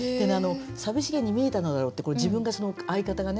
「寂しげに見えたのだろう」ってこれ自分がその相方がね。